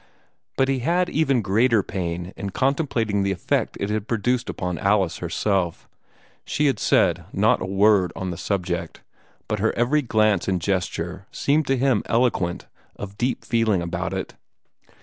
But he had even greater pain in contemplating the effect it had produced on Alice herself. She had said not a word on the subject, but her every glance and gesture seemed to him eloquent of deep feeling about it.